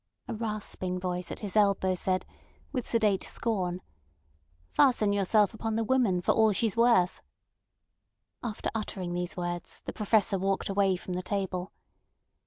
A rasping voice at his elbow said, with sedate scorn: "Fasten yourself upon the woman for all she's worth." After uttering these words the Professor walked away from the table.